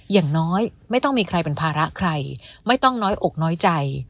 อย่างน้อยไม่ต้องมีใครเป็นภาระใครไม่ต้องน้อยอกน้อยใจ